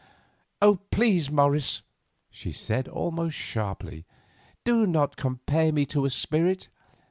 "Please, Morris," she said almost sharply, "do not compare me to a spirit.